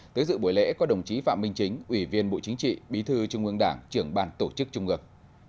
tới dự buổi lễ có đồng chí phạm minh chính ủy viên bộ chính trị bí thư trung ương đảng trưởng ban tổ chức trung ương